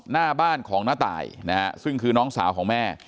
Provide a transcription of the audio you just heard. หน้าบ้านของน้าตายนะฮะซึ่งคือน้องสาวของแม่